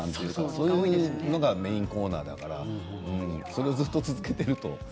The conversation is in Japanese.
それがメインコーナーだからそれをずっと続けていると。